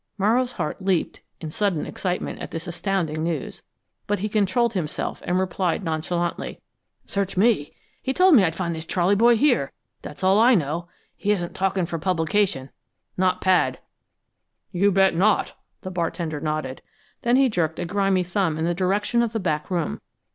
Morrow's heart leaped in sudden excitement at this astounding news, but he controlled himself, and replied nonchalantly: "Search me. He told me I'd find this Charley boy here; that's all I know. He isn't talking for publication not Pad." "You bet not!" The bartender nodded. Then he jerked a grimy thumb in the direction of the back room.